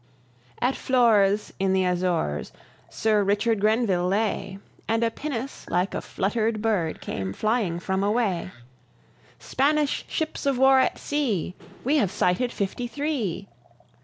At Flores in the Azores Sir Richard Grenville lay, And a pinnace, like a fluttered bird, came flying from away: "Spanish ships of war at sea! we have sighted fifty three!"